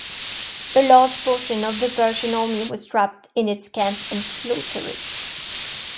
A large portion of the Persian army was trapped in its camp and slaughtered.